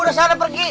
udah salah pergi